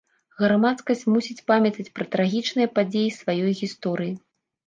Грамадскасць мусіць памятаць пра трагічныя падзеі сваёй гісторыі.